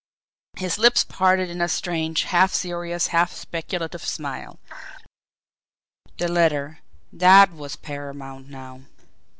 His lips parted in a strange, half serious, half speculative smile. The letter that was paramount now.